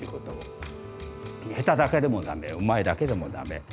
下手だけでもダメうまいだけでもダメ。